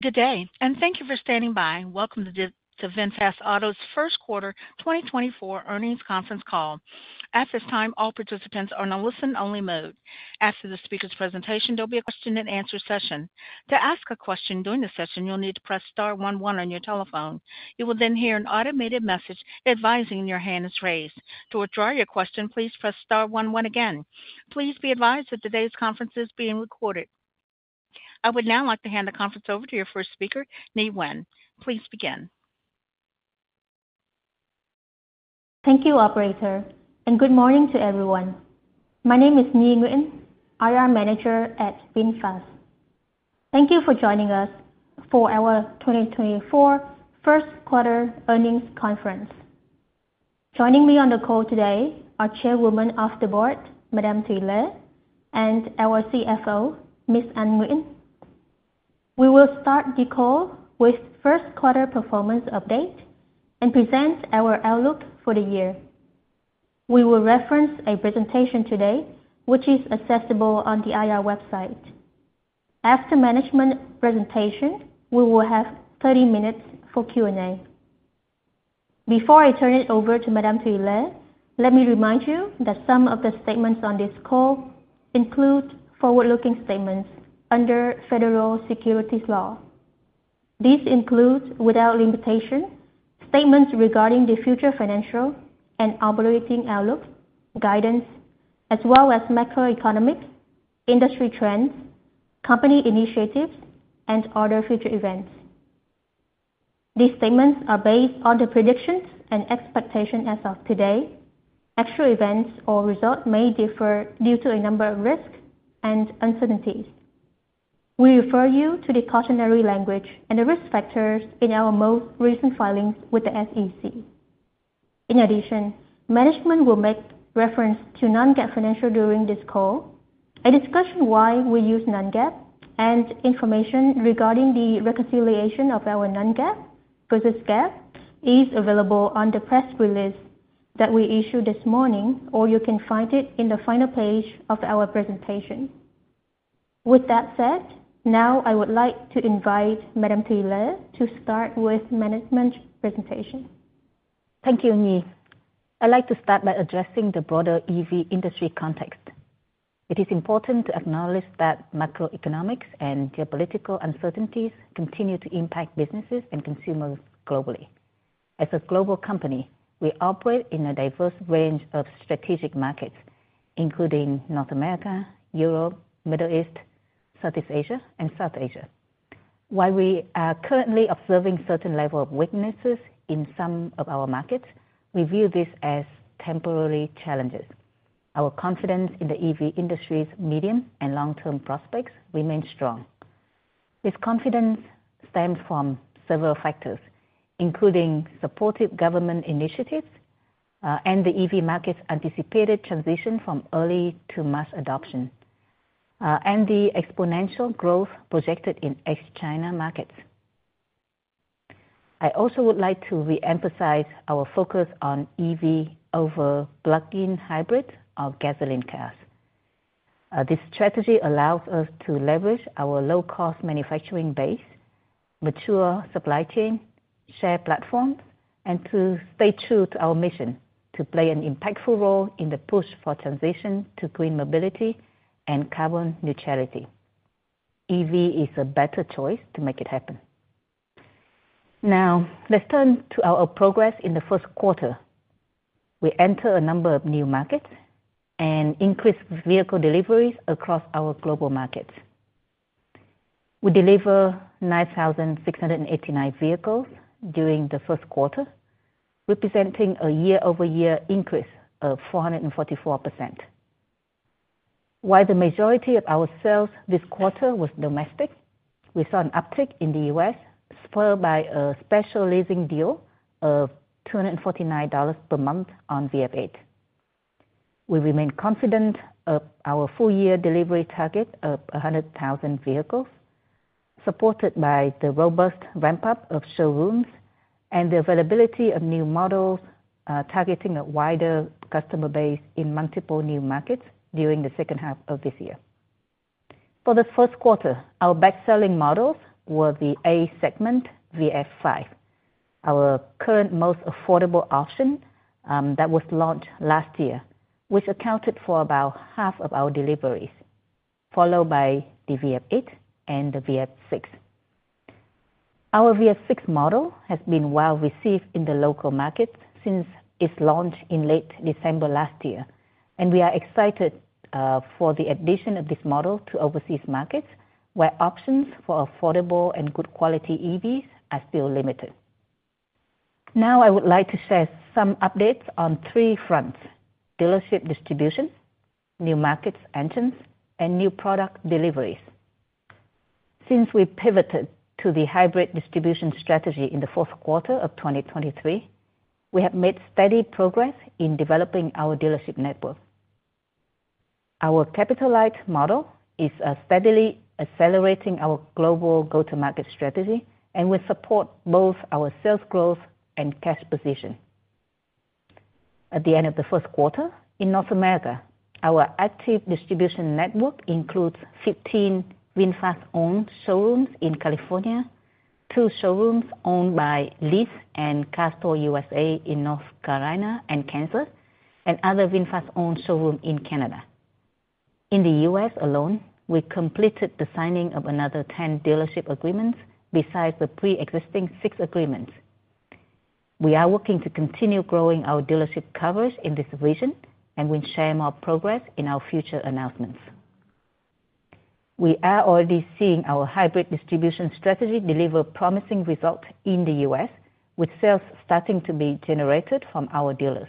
Good day, and thank you for standing by. Welcome to VinFast Auto's Q1 2024 earnings conference call. At this time, all participants are in a listen-only mode. After the speaker's presentation, there'll be a question and answer session. To ask a question during the session, you'll need to press star one one on your telephone. You will then hear an automated message advising your hand is raised. To withdraw your question, please press star one one again. Please be advised that today's conference is being recorded. I would now like to hand the conference over to your first speaker, Nhi Nguyen. Please begin. Thank you, operator, and good morning to everyone. My name is Nhi Nguyen, IR manager at VinFast. Thank you for joining us for our 2024 Q1 earnings conference. Joining me on the call today are Chairwoman of the Board, Madam Thuy Le, and our CFO, Lan Anh Nguyen. We will start the call with Q1 performance update and present our outlook for the year. We will reference a presentation today, which is accessible on the IR website. After management presentation, we will have 30 minutes for Q&A. Before I turn it over to Madam Thuy Le, let me remind you that some of the statements on this call include forward-looking statements under federal securities law. These include, without limitation, statements regarding the future financial and operating outlook, guidance, as well as macroeconomic, industry trends, company initiatives, and other future events. These statements are based on the predictions and expectations as of today. Actual events or results may differ due to a number of risks and uncertainties. We refer you to the cautionary language and the risk factors in our most recent filings with the SEC. In addition, management will make reference to non-GAAP financials during this call. A discussion why we use non-GAAP and information regarding the reconciliation of our non-GAAP versus GAAP is available on the press release that we issued this morning, or you can find it in the final page of our presentation. With that said, now I would like to invite Madam Thuy Le to start with management presentation. Thank you, Nhi. I'd like to start by addressing the broader EV industry context. It is important to acknowledge that macroeconomics and geopolitical uncertainties continue to impact businesses and consumers globally. As a global company, we operate in a diverse range of strategic markets, including North America, Europe, Middle East, Southeast Asia, and South Asia. While we are currently observing certain level of weaknesses in some of our markets, we view this as temporary challenges. Our confidence in the EV industry's medium and long-term prospects remain strong. This confidence stems from several factors, including supportive government initiatives, and the EV market's anticipated transition from early to mass adoption, and the exponential growth projected in ex-China markets. I also would like to re-emphasize our focus on EV over plug-in hybrid or gasoline cars. This strategy allows us to leverage our low-cost manufacturing base, mature supply chain, share platforms, and to stay true to our mission to play an impactful role in the push for transition to green mobility and carbon neutrality. EV is a better choice to make it happen. Now, let's turn to our progress in the Q1. We entered a number of new markets and increased vehicle deliveries across our global markets. We delivered 9,689 vehicles during the Q1, representing a year-over-year increase of 444%. While the majority of our sales this quarter was domestic, we saw an uptick in the U.S., spurred by a special leasing deal of $249 per month on VF 8. We remain confident of our full-year delivery target of 100,000 vehicles, supported by the robust ramp-up of showrooms and the availability of new models, targeting a wider customer base in multiple new markets during the second half of this year. For the Q1, our best-selling models were the A-segment VF 5, our current most affordable option, that was launched last year, which accounted for about half of our deliveries, followed by the VF 8 and the VF 6. Our VF 6 model has been well received in the local market since its launch in late December last year, and we are excited for the addition of this model to overseas markets, where options for affordable and good quality EVs are still limited. Now, I would like to share some updates on three fronts: dealership distribution, new markets entrance, and new product deliveries. Since we pivoted to the hybrid distribution strategy in the Q4 of 2023, we have made steady progress in developing our dealership network. Our capital-light model is steadily accelerating our global go-to-market strategy and will support both our sales growth and cash position. At the end of the Q1 in North America, our active distribution network includes 15 VinFast-owned showrooms in California, two showrooms owned by Leith Automotive Group in North Carolina and Kansas, and other VinFast-owned showroom in Canada. In the U.S. alone, we completed the signing of another 10 dealership agreements besides the pre-existing six agreements. We are working to continue growing our dealership coverage in this region, and we'll share more progress in our future announcements. We are already seeing our hybrid distribution strategy deliver promising results in the U.S., with sales starting to be generated from our dealers.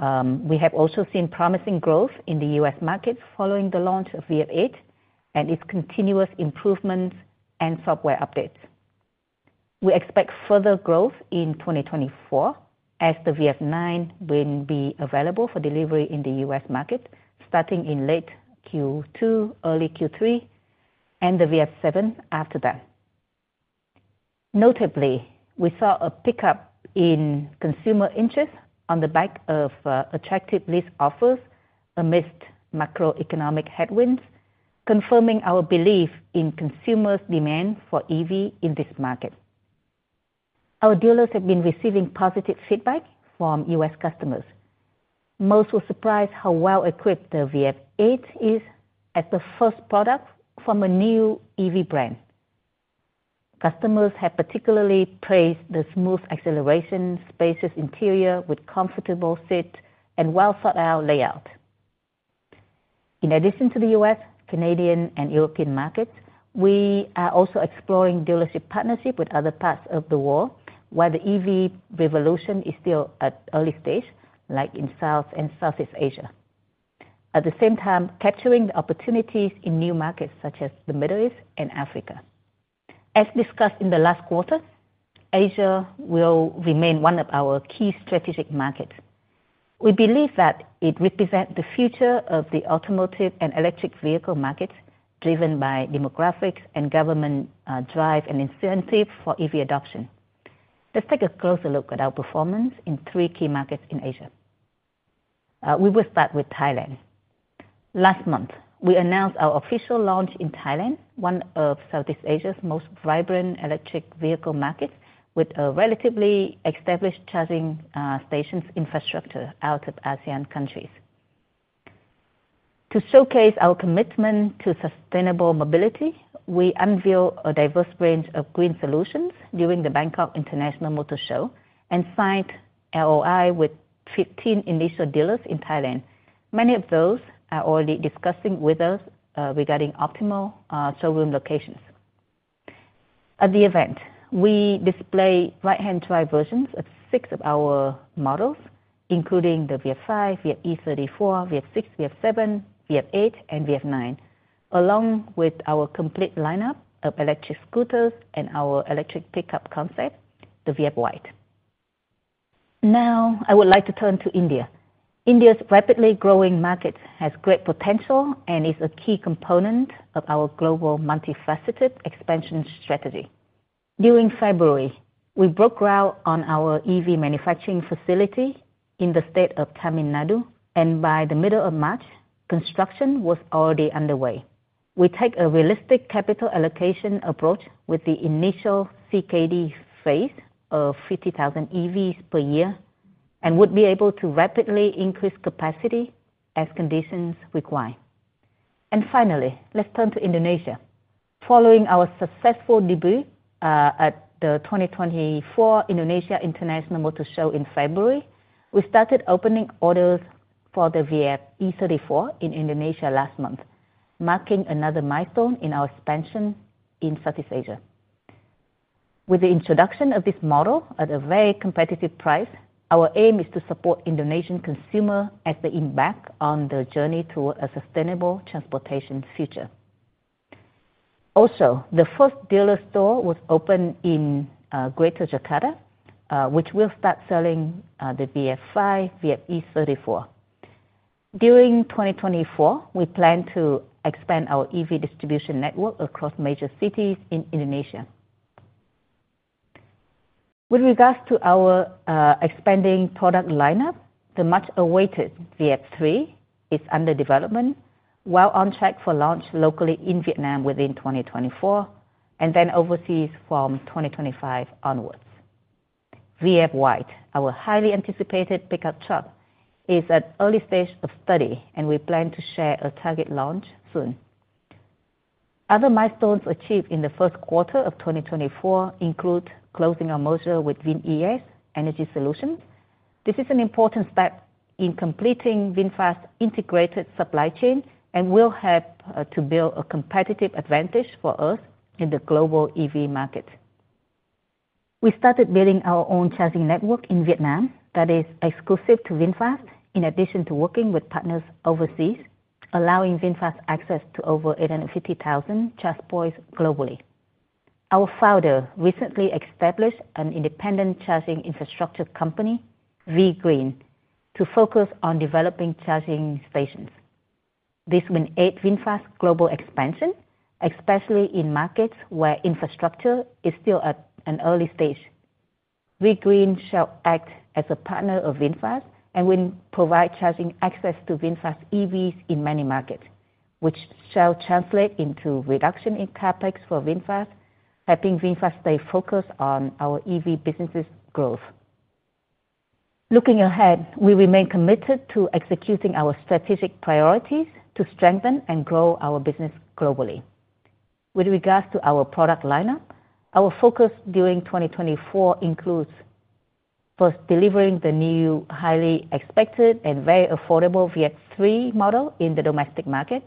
We have also seen promising growth in the US market following the launch of VF 8 and its continuous improvements and software updates. We expect further growth in 2024, as the VF 9 will be available for delivery in the US market, starting in late Q2, early Q3, and the VF 7 after that. Notably, we saw a pickup in consumer interest on the back of attractive lease offers amidst macroeconomic headwinds, confirming our belief in consumers' demand for EV in this market. Our dealers have been receiving positive feedback from US customers. Most were surprised how well-equipped the VF 8 is as the first product from a new EV brand. Customers have particularly praised the smooth acceleration, spacious interior with comfortable fit and well-thought-out layout. In addition to the U.S., Canadian, and European markets, we are also exploring dealership partnership with other parts of the world, where the EV revolution is still at early stage, like in South and Southeast Asia. At the same time, capturing the opportunities in new markets such as the Middle East and Africa. As discussed in the last quarter, Asia will remain one of our key strategic markets. We believe that it represents the future of the automotive and electric vehicle market, driven by demographics and government drive and incentive for EV adoption. Let's take a closer look at our performance in three key markets in Asia. We will start with Thailand. Last month, we announced our official launch in Thailand, one of Southeast Asia's most vibrant electric vehicle markets, with a relatively established charging stations infrastructure out of ASEAN countries. To showcase our commitment to sustainable mobility, we unveiled a diverse range of green solutions during the Bangkok International Motor Show, and signed LOI with 15 initial dealers in Thailand. Many of those are already discussing with us regarding optimal showroom locations. At the event, we display right-hand drive versions of six of our models, including the VF 5, VF e34, VF 6, VF 7, VF 8, and VF 9, along with our complete lineup of electric scooters and our electric pickup concept, the VF Wild. Now, I would like to turn to India. India's rapidly growing market has great potential and is a key component of our global multifaceted expansion strategy. During February, we broke ground on our EV manufacturing facility in the state of Tamil Nadu, and by the middle of March, construction was already underway. We take a realistic capital allocation approach with the initial CKD phase of 50,000 EVs per year, and would be able to rapidly increase capacity as conditions require. And finally, let's turn to Indonesia. Following our successful debut at the 2024 Indonesia International Motor Show in February, we started opening orders for the VF e34 in Indonesia last month, marking another milestone in our expansion in Southeast Asia. With the introduction of this model at a very competitive price, our aim is to support Indonesian consumer as they embark on the journey to a sustainable transportation future. Also, the first dealer store was opened in Greater Jakarta, which will start selling the VF 5, VF e34. During 2024, we plan to expand our EV distribution network across major cities in Indonesia. With regards to our expanding product lineup, the much-awaited VF 3 is under development, while on track for launch locally in Vietnam within 2024, and then overseas from 2025 onwards. VF Wild, our highly anticipated pickup truck, is at early stage of study, and we plan to share a target launch soon. Other milestones achieved in the Q1 of 2024 include closing our merger with VinES Energy Solutions. This is an important step in completing VinFast integrated supply chain and will help to build a competitive advantage for us in the global EV market. We started building our own charging network in Vietnam that is exclusive to VinFast, in addition to working with partners overseas, allowing VinFast access to over 850,000 charge points globally. Our founder recently established an independent charging infrastructure company, V-GREEN, to focus on developing charging stations. This will aid VinFast's global expansion, especially in markets where infrastructure is still at an early stage. V-GREEN shall act as a partner of VinFast and will provide charging access to VinFast EVs in many markets, which shall translate into reduction in CapEx for VinFast, helping VinFast stay focused on our EV business' growth. Looking ahead, we remain committed to executing our strategic priorities to strengthen and grow our business globally. With regards to our product lineup, our focus during 2024 includes, first, delivering the new, highly expected and very affordable VF 3 model in the domestic market.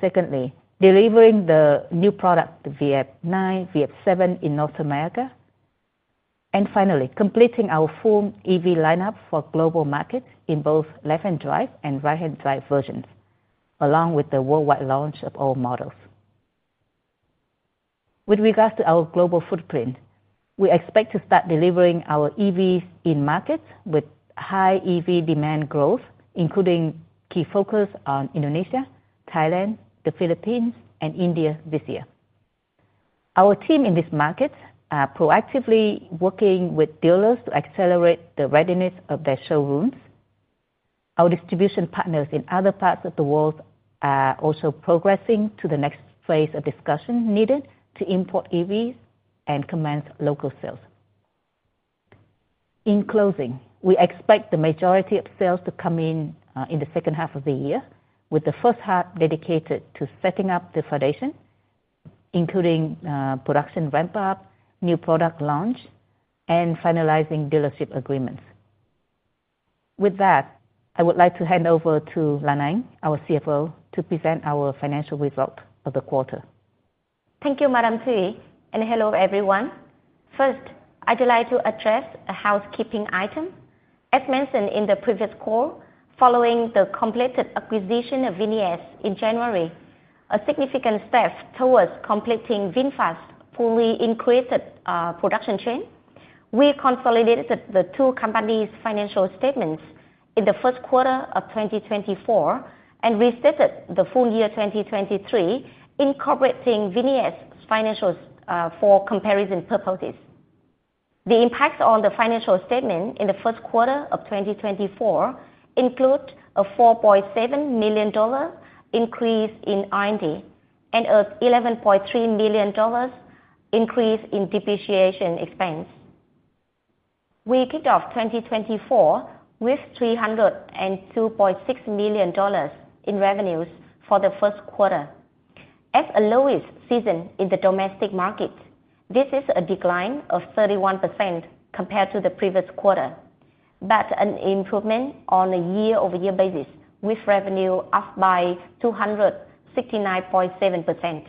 Secondly, delivering the new product, the VF 9, VF 7, in North America. And finally, completing our full EV lineup for global market in both left-hand drive and right-hand drive versions, along with the worldwide launch of all models. With regards to our global footprint, we expect to start delivering our EVs in markets with high EV demand growth, including key focus on Indonesia, Thailand, the Philippines, and India this year. Our team in this market are proactively working with dealers to accelerate the readiness of their showrooms. Our distribution partners in other parts of the world are also progressing to the next phase of discussion needed to import EVs and commence local sales. In closing, we expect the majority of sales to come in in the second half of the year, with the first half dedicated to setting up the foundation, including production ramp-up, new product launch, and finalizing dealership agreements. With that, I would like to hand over to Lan Anh, our CFO, to present our financial results for the quarter. Thank you, Madam Thuy, and hello, everyone. First, I'd like to address a housekeeping item. As mentioned in the previous call, following the completed acquisition of VinES in January, a significant step towards completing VinFast's fully increased production chain, we consolidated the two companies' financial statements in the Q1 of 2024, and restated the full year 2023, incorporating VinES financials for comparison purposes. The impact on the financial statement in the Q1 of 2024 include a $4.7 million increase in R&D, and a $11.3 million increase in depreciation expense. We kicked off 2024 with $302.6 million in revenues for the Q1. As a lowest season in the domestic market, this is a decline of 31% compared to the previous quarter, but an improvement on a year-over-year basis, with revenue up by 269.7%.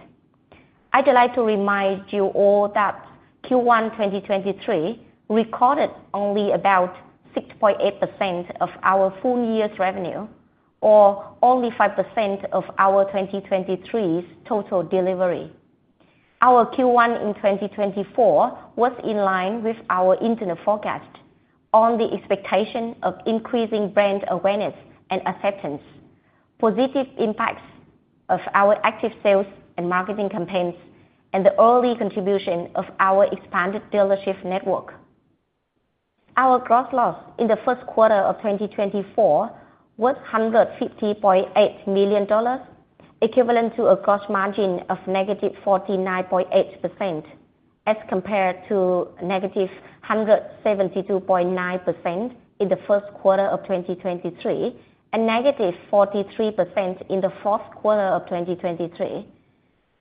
I'd like to remind you all that Q1 2023 recorded only about 6.8% of our full year's revenue, or only 5% of our 2023's total delivery. Our Q1 in 2024 was in line with our internal forecast on the expectation of increasing brand awareness and acceptance, positive impacts of our active sales and marketing campaigns, and the early contribution of our expanded dealership network. Our gross loss in the Q1 of 2024 was $150.8 million, equivalent to a gross margin of -49.8%, as compared to -172.9% in the Q1 of 2023, and -43% in the Q4 of 2023.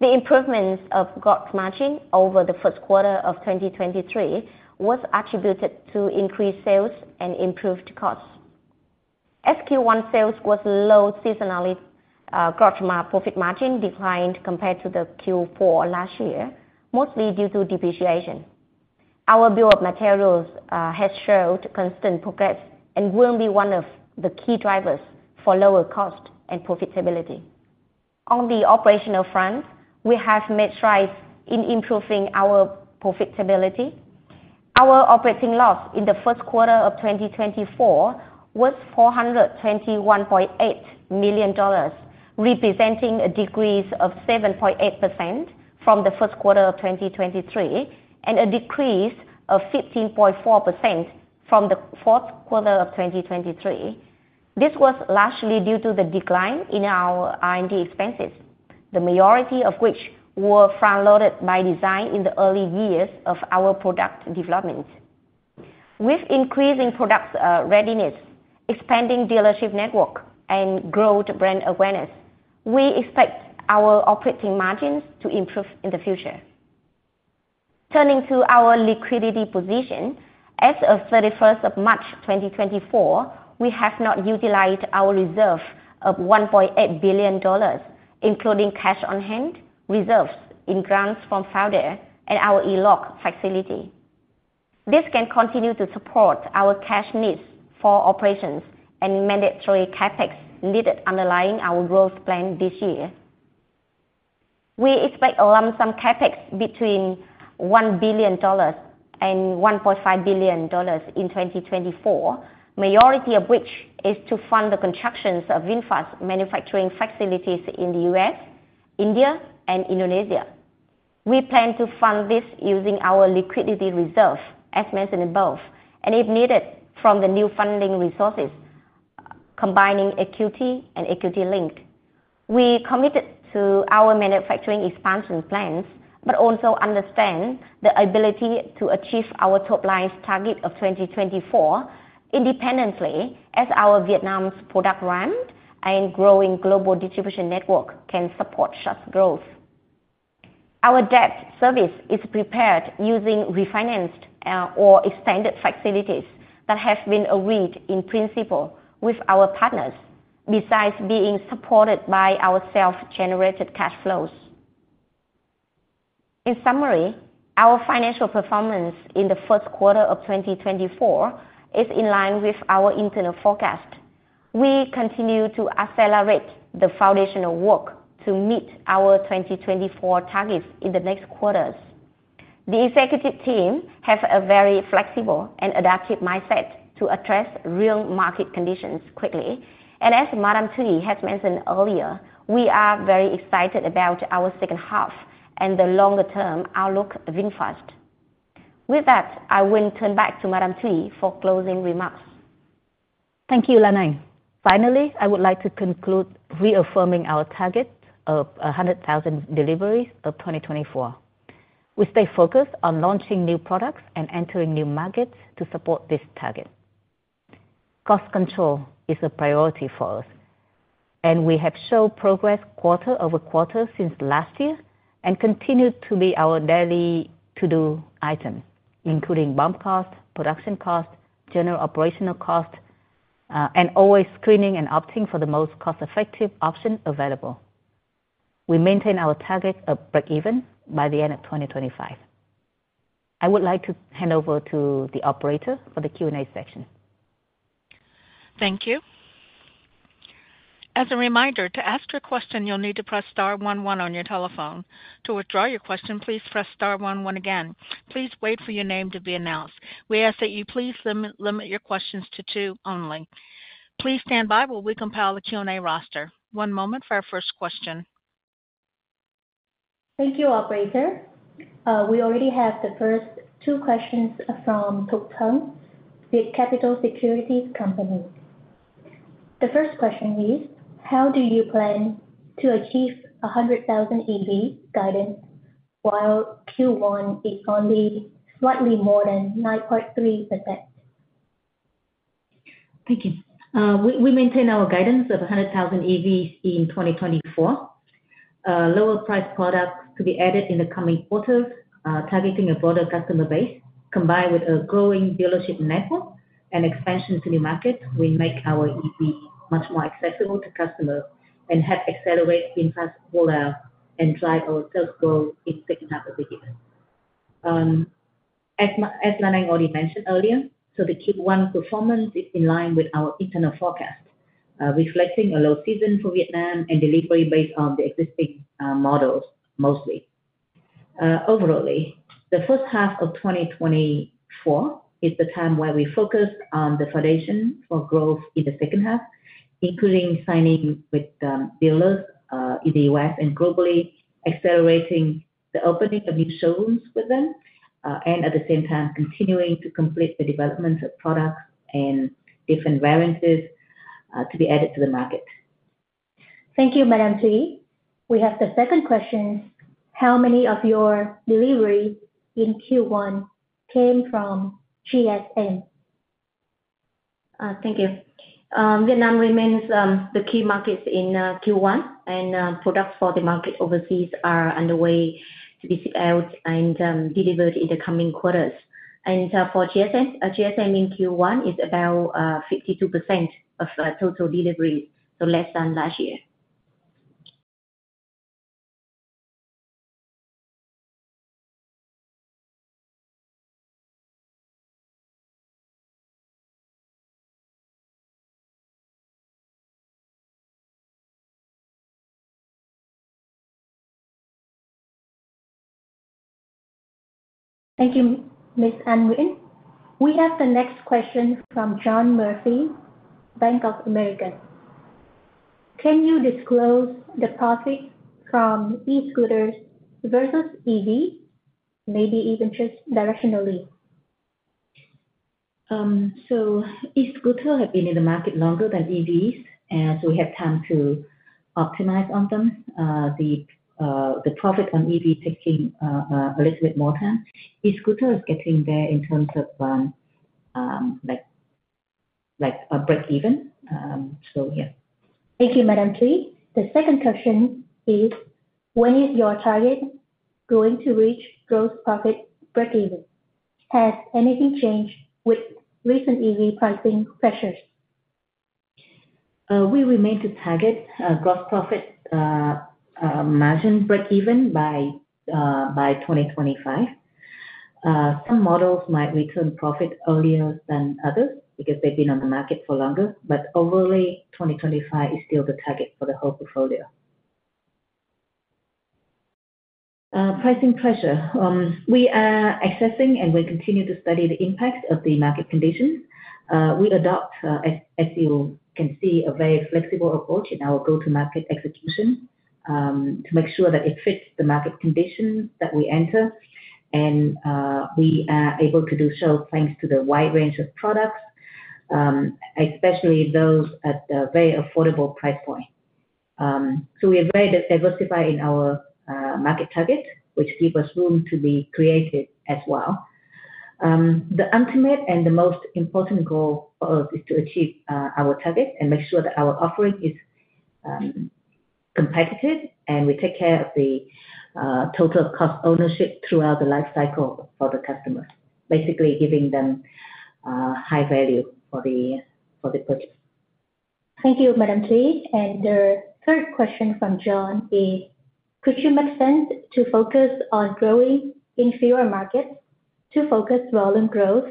The improvements of gross margin over the Q1 of 2023 was attributed to increased sales and improved costs. As Q1 sales was low seasonally, gross profit margin declined compared to the Q4 last year, mostly due to depreciation. Our Bill of Materials has showed constant progress and will be one of the key drivers for lower cost and profitability. On the operational front, we have made strides in improving our profitability. Our operating loss in the Q1 of 2024 was $421.8 million, representing a decrease of 7.8% from the Q1 of 2023, and a decrease of 15.4% from the Q4 of 2023. This was largely due to the decline in our R&D expenses, the majority of which were front-loaded by design in the early years of our product development. With increasing product readiness, expanding dealership network, and growth brand awareness, we expect our operating margins to improve in the future. Turning to our liquidity position, as of 31 March 2024, we have not utilized our reserve of $1.8 billion, including cash on hand, reserves in grants from founder, and our ELOC facility. This can continue to support our cash needs for operations and mandatory CapEx needed underlying our growth plan this year. We expect a lump sum CapEx between $1 billion and $1.5 billion in 2024, majority of which is to fund the constructions of VinFast manufacturing facilities in the U.S., India, and Indonesia. We plan to fund this using our liquidity reserve, as mentioned above, and if needed, from the new funding resources, combining equity and equity link. We committed to our manufacturing expansion plans, but also understand the ability to achieve our top line target of 2024 independently as our Vietnam's product brand and growing global distribution network can support such growth. Our debt service is prepared using refinanced or extended facilities that have been agreed in principle with our partners, besides being supported by our self-generated cash flows. In summary, our financial performance in the Q1 of 2024 is in line with our internal forecast. We continue to accelerate the foundational work to meet our 2024 targets in the next quarters. The executive team have a very flexible and adaptive mindset to address real market conditions quickly. As Madam Thuy has mentioned earlier, we are very excited about our second half and the longer term outlook of VinFast. With that, I will turn back to Madam Thuy for closing remarks. Thank you, Lan Anh. Finally, I would like to conclude reaffirming our target of 100,000 deliveries of 2024. We stay focused on launching new products and entering new markets to support this target. Cost control is a priority for us, and we have shown progress quarter-over-quarter since last year and continued to be our daily to-do item, including BOM cost, production cost, general operational cost, and always screening and opting for the most cost-effective option available. We maintain our target of breakeven by the end of 2025. I would like to hand over to the operator for the Q&A section. Thank you. As a reminder, to ask your question, you'll need to press star one, one on your telephone. To withdraw your question, please press star one, one again. Please wait for your name to be announced. We ask that you please limit, limit your questions to two only. Please stand by while we compile the Q&A roster. One moment for our first question. Thank you, operator. We already have the first two questions from Tu Thanh, Viet Capital Securities. The first question is: How do you plan to achieve 100,000 EV guidance, while Q1 is only slightly more than 9.3%? Thank you. We maintain our guidance of 100,000 EVs in 2024. Lower priced products to be added in the coming quarters, targeting a broader customer base, combined with a growing dealership network and expansion to new markets, will make our EV much more accessible to customers and help accelerate VinFast growth and drive our sales growth in second half of the year. As Lan Anh already mentioned earlier, so the Q1 performance is in line with our internal forecast, reflecting a low season for Vietnam and delivery based on the existing models, mostly. Overall, the first half of 2024 is the time where we focus on the foundation for growth in the second half, including signing with dealers in the U.S. and globally, accelerating the opening of new showrooms with them, and at the same time continuing to complete the development of products and different variances to be added to the market. Thank you, Madam Thuy. We have the second question: How many of your deliveries in Q1 came from GSM? Thank you. Vietnam remains the key markets in Q1, and products for the market overseas are underway to be sold and delivered in the coming quarters. And for GSM, GSM in Q1 is about 52% of total deliveries, so less than last year. Thank you, Ms. Anh Nguyen. We have the next question from John Murphy, Bank of America. Can you disclose the profit from e-scooters versus EV? Maybe even just directionally. So e-scooter have been in the market longer than EVs, and so we have time to optimize on them. The profit on EV taking a little bit more time. E-scooter is getting there in terms of like a breakeven. So, yeah. Thank you, Madam Thuy. The second question is: When is your target going to reach gross profit breakeven? Has anything changed with recent EV pricing pressures? We remain to target gross profit margin breakeven by 2025. Some models might return profit earlier than others because they've been on the market for longer. But overall, 2025 is still the target for the whole portfolio. Pricing pressure. We are assessing, and we continue to study the impact of the market conditions. We adopt, as you can see, a very flexible approach in our go-to-market execution, to make sure that it fits the market conditions that we enter. We are able to do so thanks to the wide range of products, especially those at a very affordable price point. We are very diversified in our market target, which give us room to be creative as well. The ultimate and the most important goal for us is to achieve our target and make sure that our offering is competitive, and we take care of the total cost ownership throughout the life cycle for the customer. Basically, giving them high value for the purchase. Thank you, Madam Thuy. The third question from John is: Could you make sense to focus on growing in fewer markets, to focus volume growth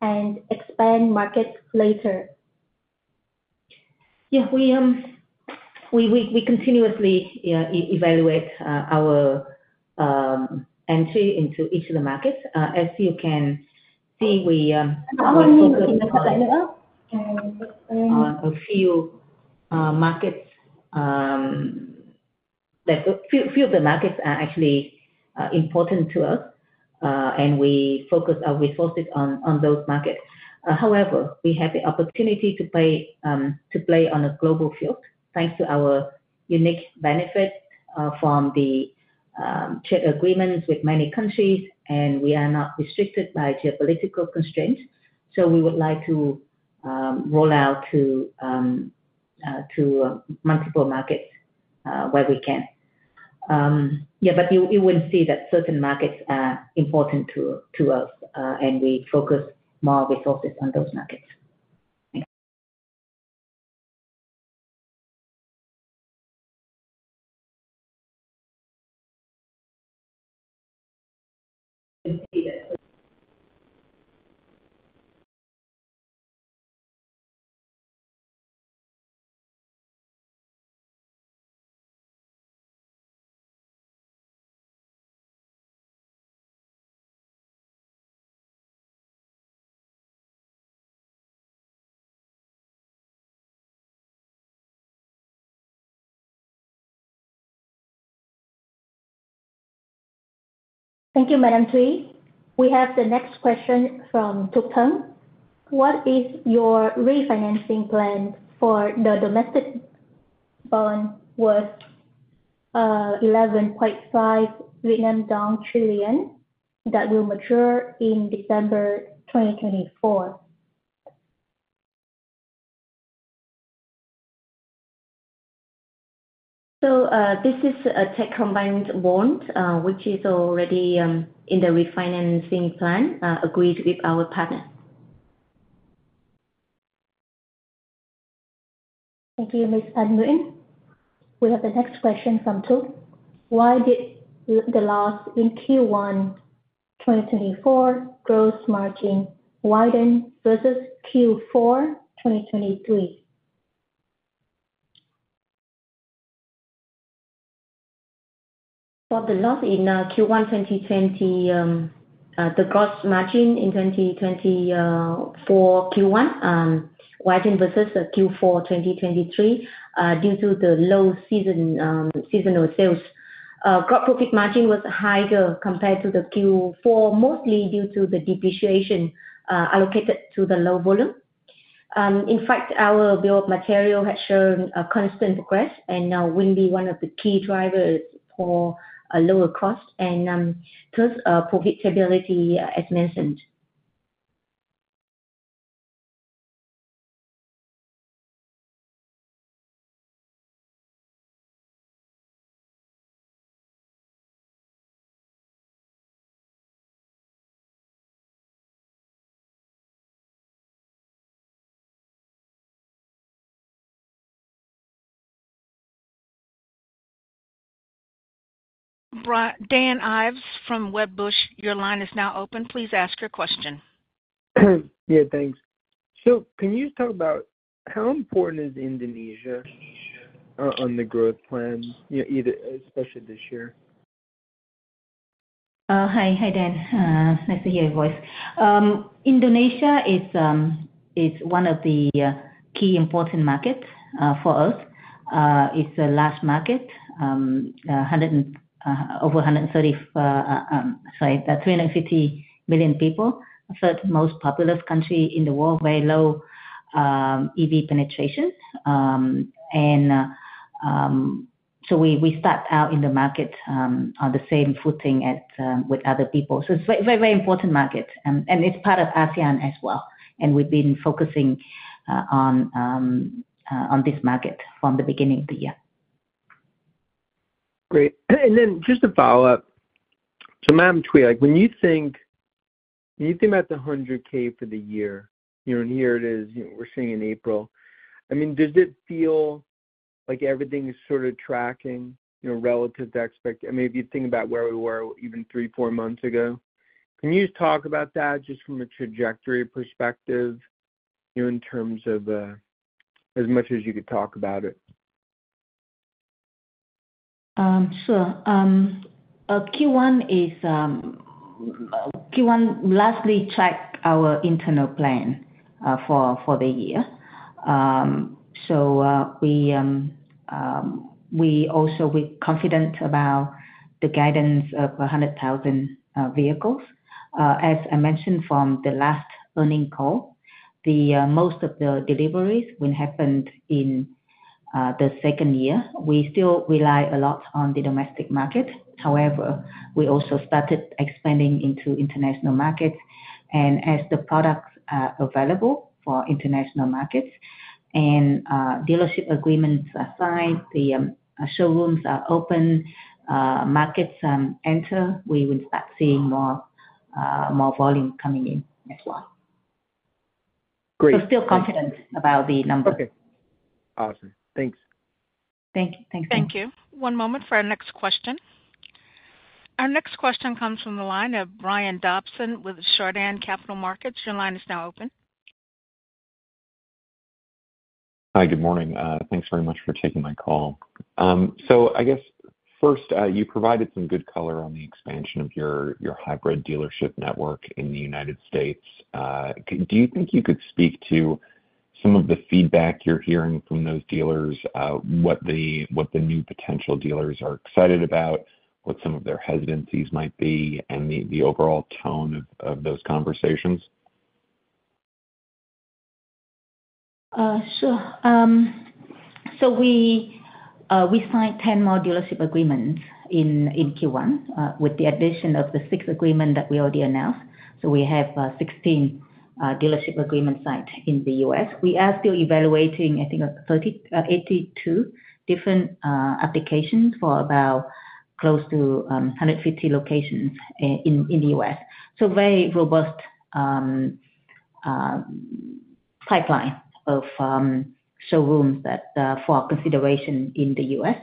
and expand markets later? Yeah, we continuously evaluate our entry into each of the markets. As you can see, we are focused on a few markets; few of the markets are actually important to us, and we focus our resources on those markets. However, we have the opportunity to play on a global field, thanks to our unique benefit from the trade agreements with many countries, and we are not restricted by geopolitical constraints. So we would like to roll out to multiple markets where we can. Yeah, but you will see that certain markets are important to us, and we focus more resources on those markets. Thanks. Thank you, Madam Thuy. We have the next question from Tu Thanh. What is your refinancing plan for the domestic bond worth 11.5 trillion dong that will mature in December 2024? This is a tech combined bond, which is already in the refinancing plan, agreed with our partner. Thank you, Ms. Phan Nguyen. We have the next question from Tu Thanh. Why did the loss in Q1 2024 gross margin widen versus Q4 2023? For the loss in Q1 2024, the gross margin in 2024 Q1 widened versus Q4 2023 due to the low season, seasonal sales. Gross profit margin was higher compared to the Q4, mostly due to the depreciation allocated to the low volume. In fact, our bill of materials has shown a constant progress and will be one of the key drivers for a lower cost and thus profitability, as mentioned. Dan Ives from Wedbush, your line is now open. Please ask your question. Yeah, thanks. Can you talk about how important is Indonesia on the growth plan, you know, especially this year? Dan. Nice to hear your voice. Indonesia is one of the key important markets for us. It's a large market, over 130, sorry, 350 million people. Third most populous country in the world, very low EV penetration. We start out in the market on the same footing as with other people. It's very, very, very important market. And it's part of ASEAN as well, and we've been focusing on this market from the beginning of the year. Great. And then just a follow-up. Madam Thuy, like, when you think-When you think about the 100K for the year, you know, and here it is, you know, we're sitting in April. I mean, does it feel like everything is sort of tracking, you know, relative to expect? And maybe you think about where we were even three, four months ago. Can you just talk about that just from a trajectory perspective, you know, in terms of, as much as you could talk about it? Sure. Q1 is lastly checked our internal plan for the year. We also we're confident about the guidance of 100,000 vehicles. As I mentioned from the last earnings call, the most of the deliveries will happened in the second year. We still rely a lot on the domestic market. However, we also started expanding into international markets, and as the products are available for international markets and dealership agreements are signed, the showrooms are open, markets enter, we will start seeing more volume coming in as well. Great. We're still confident about the numbers. Okay. Awesome. Thanks. Thank you. Thanks. Thank you. One moment for our next question. Our next question comes from the line of Brian Dobson with Chardan Capital Markets. Your line is now open. Hi, good morning. Thanks very much for taking my call. I guess first, you provided some good color on the expansion of your hybrid dealership network in the United States. Do you think you could speak to some of the feedback you're hearing from those dealers, what the new potential dealers are excited about, what some of their hesitancies might be, and the overall tone of those conversations? Sure. We signed 10 more dealership agreements in Q1 with the addition of the six agreement that we already announced. So we have 16 dealership agreements signed in the U.S. We are still evaluating, I think, 82 different applications for about close to 150 locations in the U.S. Very robust pipeline of showrooms for our consideration in the U.S.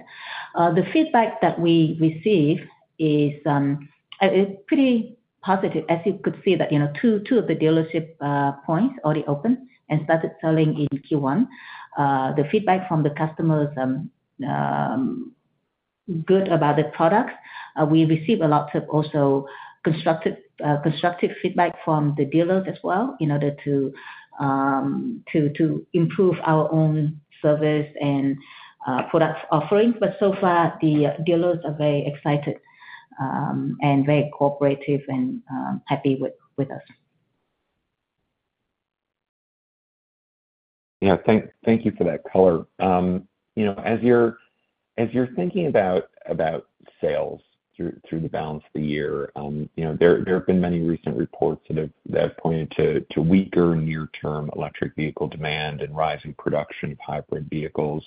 The feedback that we receive is pretty positive. As you could see that, you know, two of the dealership points already open and started selling in Q1. The feedback from the customers good about the products. We also receive a lot of constructive feedback from the dealers as well, in order to improve our own service and products offerings but so far, the dealers are very excited, and very cooperative and happy with us. Thank you for that color. You know, as you're thinking about sales through the balance of the year, you know, there have been many recent reports that have pointed to weaker near-term electric vehicle demand and rising production of hybrid vehicles.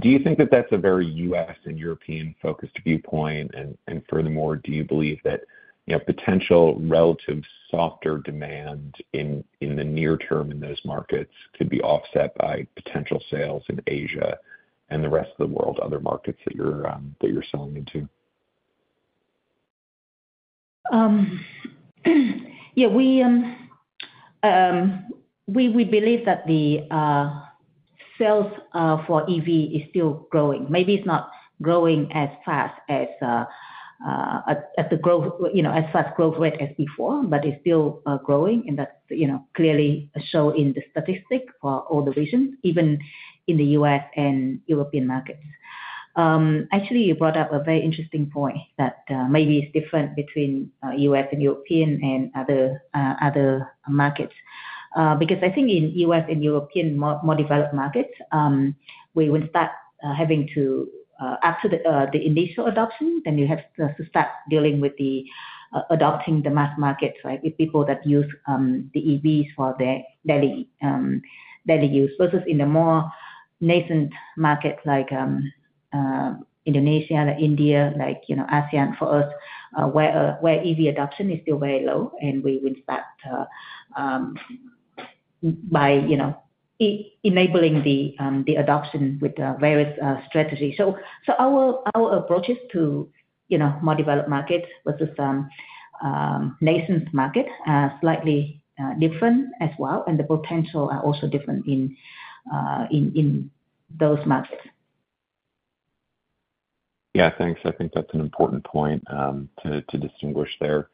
Do you think that that's a very U.S. and European-focused viewpoint? And furthermore, do you believe that, you know, potential relative softer demand in the near term in those markets could be offset by potential sales in Asia and the rest of the world, other markets that you're selling into? Yeah, we believe that the sales for EV is still growing. Maybe it's not growing as fast as the growth, you know, as fast growth rate as before, but it's still growing, and that, you know, clearly shown in the statistics for all the regions, even in the US and European markets. Actually, you brought up a very interesting point, that maybe it's different between US and European and other markets. Because I think in US and European more developed markets, we will start having to, after the initial adoption, then you have to start dealing with adopting the mass market, right? The people that use the EVs for their daily use, versus in the more nascent markets like Indonesia, like India, like, you know, ASEAN for us, where EV adoption is still very low, and we will start by, you know, enabling the adoption with various strategies. Our approaches to, you know, more developed markets versus nascent markets are slightly different as well, and the potential are also different in those markets. Yeah, thanks. I think that's an important point, to distinguish there.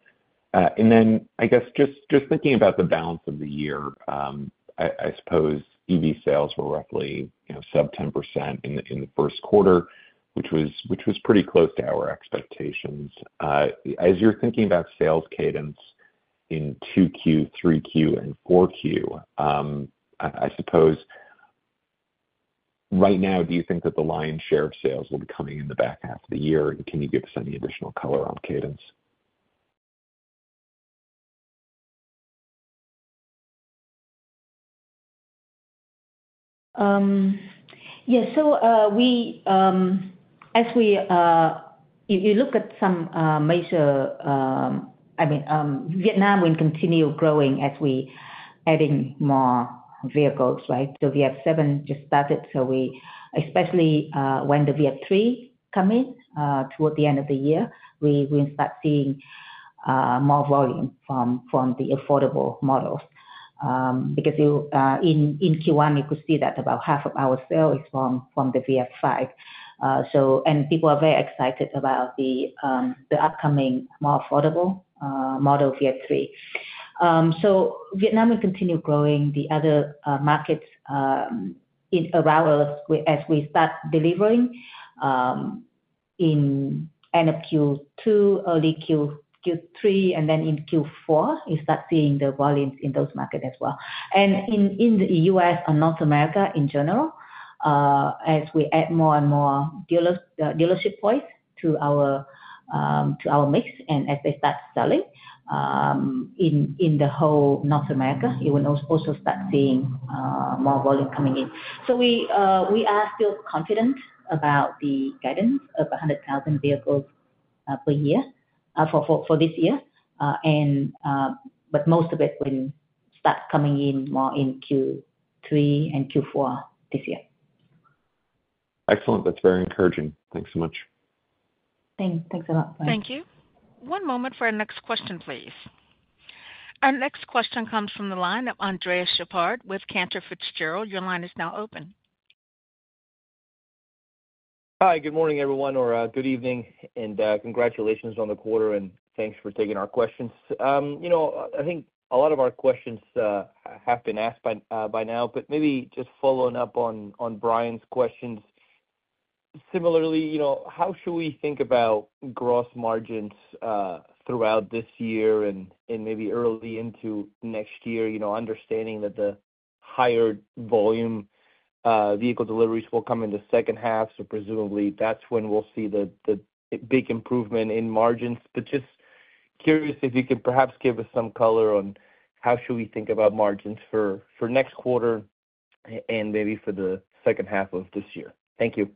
Then, I guess, just thinking about the balance of the year, I suppose EV sales were roughly, you know, sub 10% in the Q1, which was pretty close to our expectations. As you're thinking about sales cadence in 2Q, 3Q, and 4Q, I suppose right now, do you think that the lion's share of sales will be coming in the back half of the year? And can you give us any additional color on cadence? As we, if you look at some major, I mean, Vietnam will continue growing as we adding more vehicles, right? So VF 7 just started we—especially, when the VF 3 come in, toward the end of the year, we start seeing, more volume from, from the affordable models. Because you, in, in Q1, you could see that about half of our sales from, from the VF 5 and people are very excited about the, the upcoming more affordable, model VF 3. Vietnam will continue growing the other, markets, in around us, we, as we start delivering, in end of Q2, early Q3, and then in Q4, you start seeing the volumes in those markets as well. In the U.S. and North America in general, as we add more and more dealers, dealership points to our mix, and as they start selling in the whole North America, you will also start seeing more volume coming in. We are still confident about the guidance of 100,000 vehicles per year for this year. But most of it will start coming in more in Q3 and Q4 this year. Excellent. That's very encouraging. Thanks so much. Thanks. Thanks a lot, Brian. Thank you. One moment for our next question, please. Our next question comes from the line of Andres Sheppard with Cantor Fitzgerald. Your line is now open. Hi, good morning, everyone, or good evening, and congratulations on the quarter, and thanks for taking our questions. You know, I think a lot of our questions have been asked by now, but maybe just following up on Brian's questions. Similarly, you know, how should we think about gross margins throughout this year and maybe early into next year? You know, understanding that the higher volume vehicle deliveries will come in the second half, so presumably, that's when we'll see the big improvement in margins. But just curious if you could perhaps give us some color on how should we think about margins for next quarter and maybe for the second half of this year. Thank you.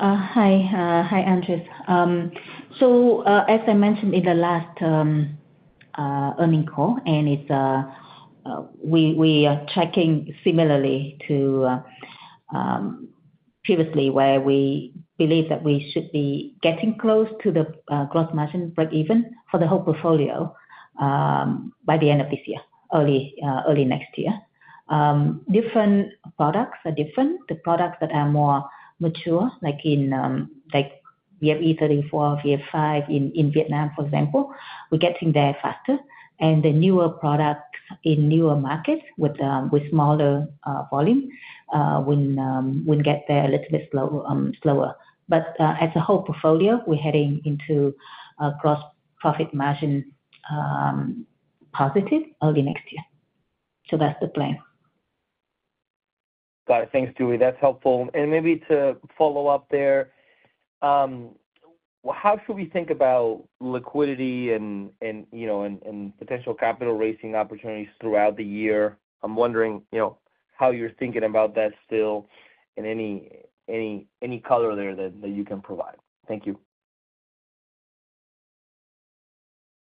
Hi, Andres. As I mentioned in the last earnings call, and it's, we are tracking similarly to previously, where we believe that we should be getting close to the gross margin break-even for the whole portfolio by the end of this year, early next year. Different products are different. The products that are more mature, like, we have E34, VF5 in Vietnam, for example. We're getting there faster, and the newer products in newer markets with smaller volume will get there a little bit slower. But as a whole portfolio, we're heading into a gross profit margin positive early next year. That's the plan. Got it. Thanks, Thủy Le. That's helpful. Maybe to follow up there, how should we think about liquidity and, you know, potential capital raising opportunities throughout the year? I'm wondering, you know, how you're thinking about that still and any color there that you can provide. Thank you.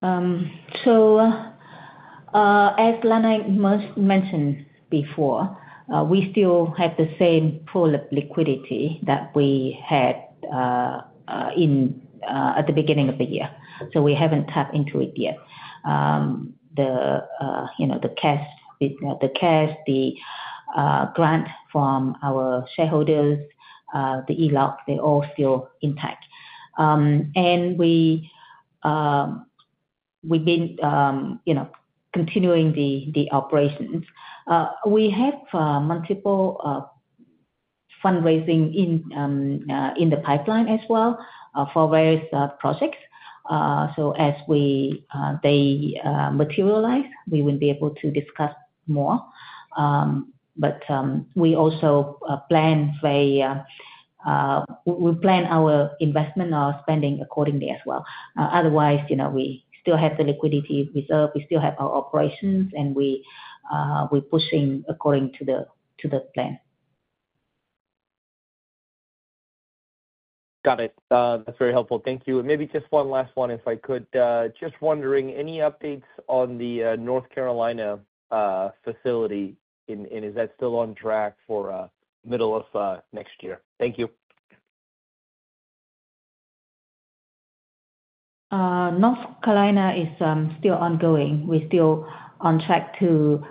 As Lan Anh mentioned before, we still have the same pool of liquidity that we had at the beginning of the year. We haven't tapped into it yet. You know, the cash, the cash grant from our shareholders, the ELOC, they're all still intact. We've been, you know, continuing the operations. We have multiple fundraising in the pipeline as well, for various projects. As they materialize, we will be able to discuss more. But we also plan our investment, our spending accordingly as well. Otherwise, you know, we still have the liquidity reserve, we still have our operations, and we're pushing according to the plan. Got it. That's very helpful. Thank you. Maybe just one last one, if I could. Just wondering, any updates on the North Carolina facility, and is that still on track for middle of next year? Thank you. North Carolina is still ongoing. We're still on track to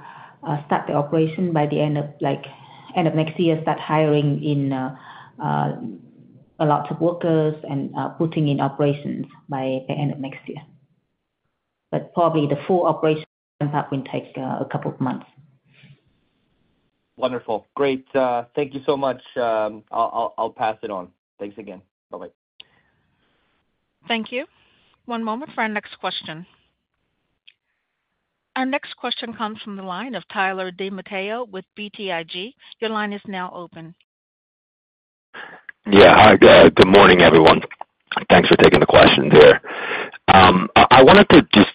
start the operation by the end of, like, end of next year, start hiring lots of workers and putting in operations by the end of next year. But probably the full operation, perhaps, will take a couple of months. Wonderful. Great. Thank you so much. I'll pass it on. Thanks again. Bye-bye. Thank you. One moment for our next question... Our next question comes from the line of Tyler DiMatteo with BTIG. Your line is now open. Good morning, everyone. Thanks for taking the questions here. I wanted to just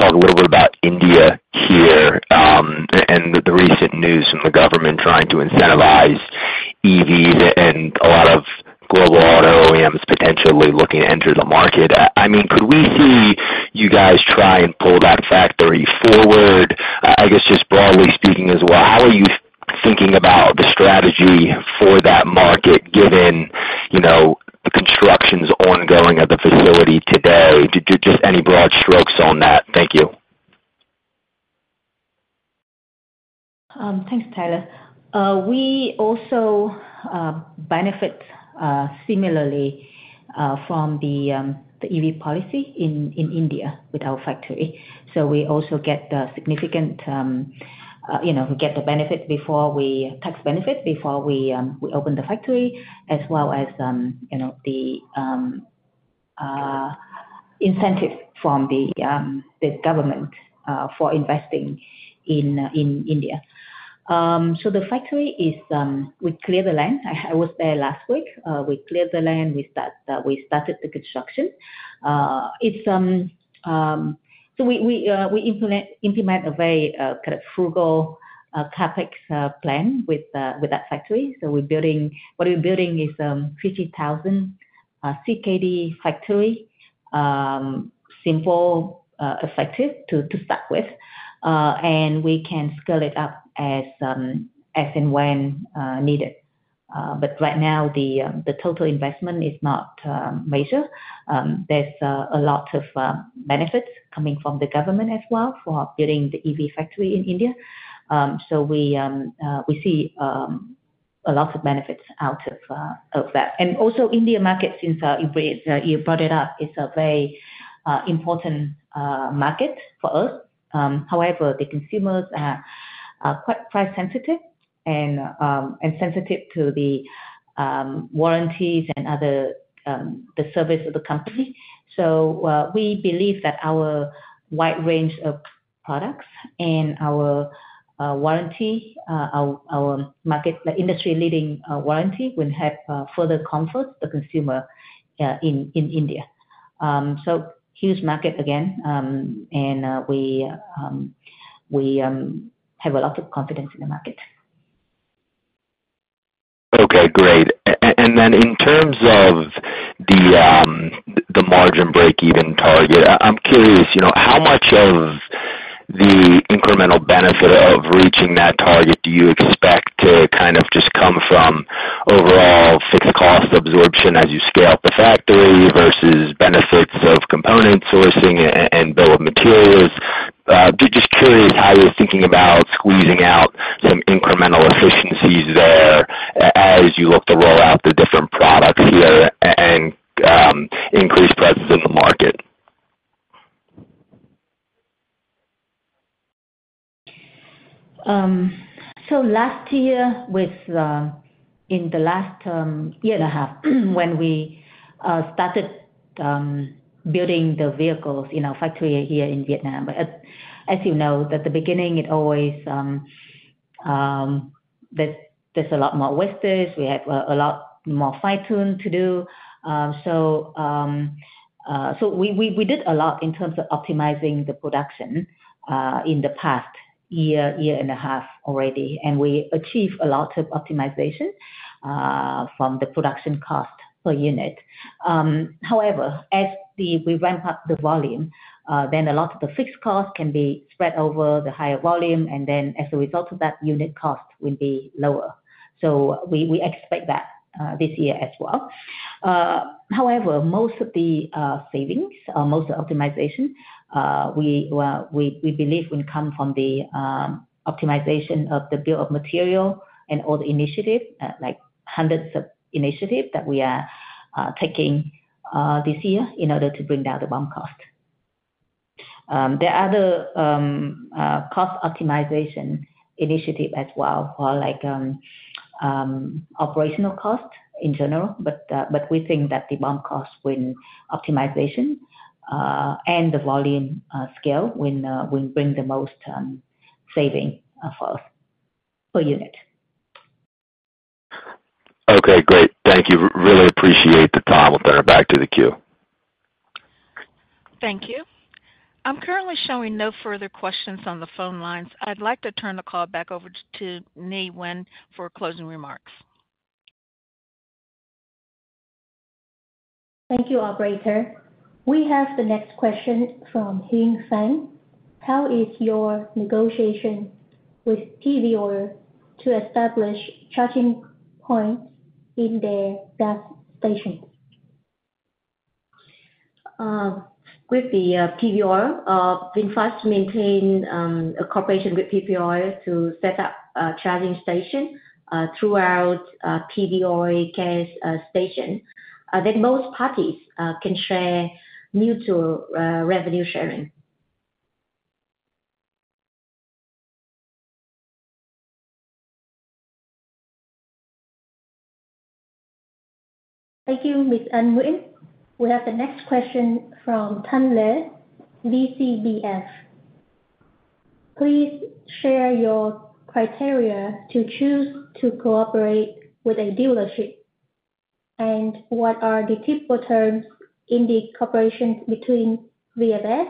talk a little bit about India here, and the recent news from the government trying to incentivize EVs and a lot of global auto OEMs potentially looking to enter the market. I mean, could we see you guys try and pull that factory forward? I guess just broadly speaking as well, how are you thinking about the strategy for that market, given, you know, the construction's ongoing at the facility today? Just any broad strokes on that? Thank you. Thanks, Tyler. We also benefit similarly from the EV policy in India with our factory. We also get the significant, you know, we get the benefit before we-- tax benefit before we open the factory, as well as, you know, the incentive from the government for investing in India. The factory is, we clear the land. I was there last week. We cleared the land. We started the construction. It's so we implement a very kind of frugal CapEx plan with that factory. We're building... What we're building is 50,000 CKD factory. Simple effective to start with. We can scale it up as and when needed. But right now, the total investment is not major. There's a lot of benefits coming from the government as well for building the EV factory in India. We see a lot of benefits out of that and also India market since you brought it up, it's a very important market for us. However, the consumers are quite price sensitive and sensitive to the warranties and other the service of the company. We believe that our wide range of products and our warranty our our market the industry-leading warranty will help further comfort the consumer in India. Huge market again, and we have a lot of confidence in the market. Okay, great. Then in terms of the margin breakeven target, I'm curious, you know, how much of the incremental benefit of reaching that target do you expect to kind of just come from overall fixed cost absorption as you scale up the factory, versus benefits of component sourcing and bill of materials? Just curious how you're thinking about squeezing out some incremental efficiencies there as you look to roll out the different products here and increase presence in the market? Within the last year and a half, when we started building the vehicles in our factory here in Vietnam, but as you know, at the beginning, it always, there's a lot more wastage. We have a lot more fine-tuning to do. We did a lot in terms of optimizing the production in the past year and a half already, and we achieved a lot of optimization from the production cost per unit. However, as we ramp up the volume, then a lot of the fixed costs can be spread over the higher volume, and then as a result of that, unit cost will be lower. We expect that this year as well. However, most of the savings, most of the optimization, we well, we believe will come from the optimization of the Bill of Materials and all the initiatives, like hundreds of initiatives that we are taking this year in order to bring down the BOM cost. There are other cost optimization initiatives as well, for like operational costs in general, but we think that the BOM cost optimization and the volume scale will bring the most savings for us per unit. Okay, great. Thank you. Really appreciate the time. I'll turn it back to the queue. Thank you. I'm currently showing no further questions on the phone lines. I'd like to turn the call back over to Nhi Nguyen for closing remarks. Thank you, operator. We have the next question from Hien Phan: How is your negotiation with PV Oil to establish charging points in the gas station? With the PV Oil, VinFast maintain a cooperation with PV Oil to set up charging station throughout PV Oil gas station. Then both parties can share mutual revenue sharing. ... Thank you, Miss Anh Nguyen. We have the next question from Tan Le, VCBF. Please share your criteria to choose to cooperate with a dealership, and what are the typical terms in the cooperation between VF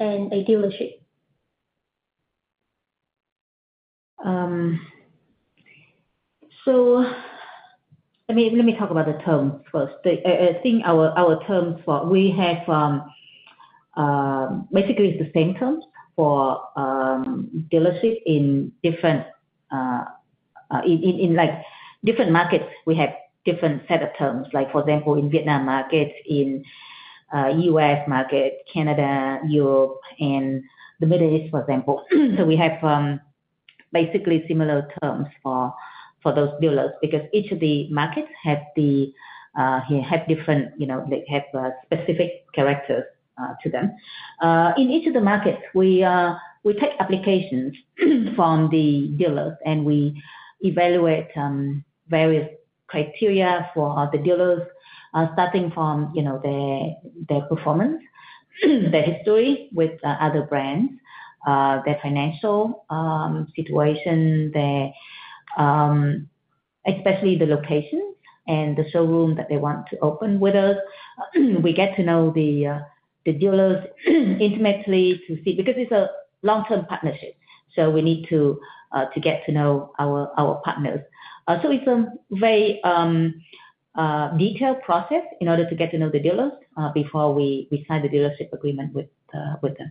and a dealership? Let me talk about the terms first i think our terms for, we have basically it's the same terms for dealership in different like different markets we have different set of terms. Like, for example, in Vietnam markets, in US market, Canada, Europe, and the Middle East, for example. We have basically similar terms for those dealers, because each of the markets have different, you know, like, have specific characteristics to them. In each of the markets, we take applications from the dealers, and we evaluate various criteria for the dealers, starting from, you know, their performance, their history with other brands, their financial situation, their- Especially the locations and the showroom that they want to open with us. We get to know the dealers intimately to see, because it's a long-term partnership, so we need to get to know our partners. It's a very detailed process in order to get to know the dealers before we sign the dealership agreement with them.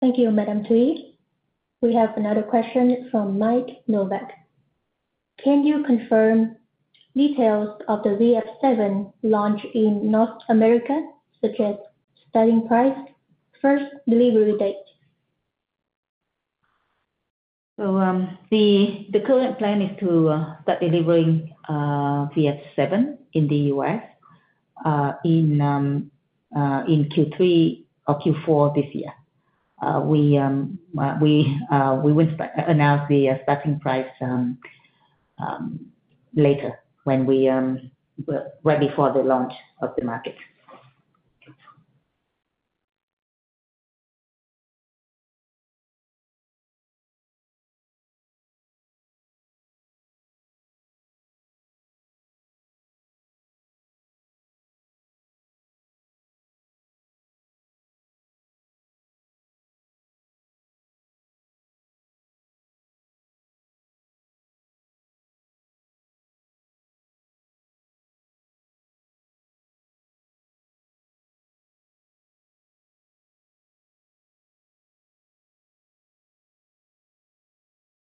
Thank you, Madam Thuy. We have another question from Mike Novak: Can you confirm details of the VF 7 launch in North America, such as starting price, first delivery date? The current plan is to start delivering VF 7 in the US in Q3 or Q4 this year. We will announce the starting price later, right before the launch of the market.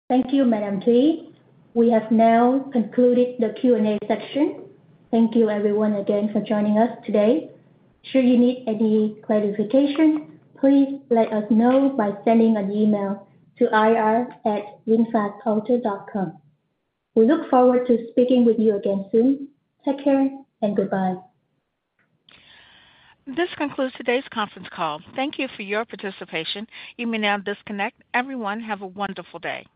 Thank you, Madam Thuy. We have now concluded the Q&A session. Thank you everyone again for joining us today. Should you need any clarification, please let us know by sending an email to ir@vinfastauto.com. We look forward to speaking with you again soon. Take care and goodbye. This concludes today's conference call. Thank you for your participation. You may now disconnect. Everyone, have a wonderful day.